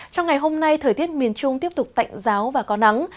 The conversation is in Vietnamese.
trong ngày hôm nay thời tiết miền trung tiếp tục tạnh giáo và có nắng